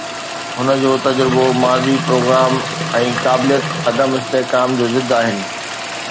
هن جو تجربو، ماضي، پروگرام ۽ قابليت عدم استحڪام جو ضد آهن.